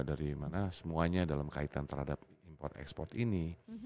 dari mana semuanya dalam kaitan terhadap import ekspor ini